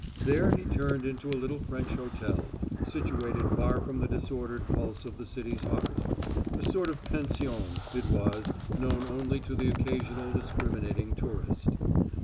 There he turned into a little French hotel, situated far from the disordered pulse of the city's heart; a sort of pension, it was, known only to the occasional discriminating tourist.